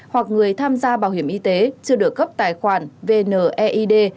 hoặc người tham gia bảo hiểm y tế chưa được cấp tài khoản vneid